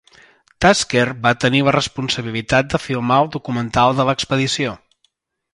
Tasker va tenir la responsabilitat de filmar el documental de l'expedició.